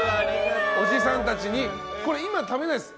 おじさんたちに今、食べないです。